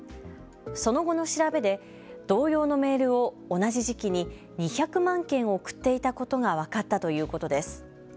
その後の調べで同様のメールを同じ時期に２００万件送っていたことが分かったということです。